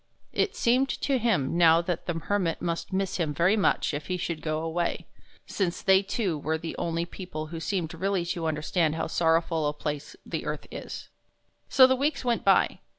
It seemed to him now that the Hermit must miss him very much if he should go away, since they two were the only people who seemed really to understand how sorrowful a place the earth is. So the weeks went by.